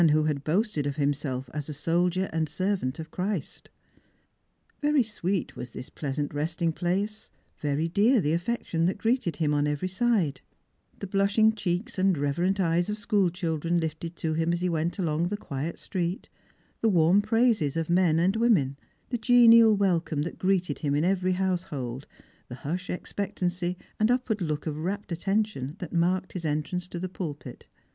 who 132 Strangers and Pilgrims. boasted of himself as a soldier aad servant of Christ, yer^' Bweet was this pleasant resting place ; very dear the afFectioii that greeted him on every side ; the blushing cheeks and reve rent eyes of school children hfted to him as he went along the quiet street ; the warm praises of men and women ; the genial welcome that greeted him in every household ; the hushed expec tancy and upward look of rapt attention that marked hia entrance to the pulpit.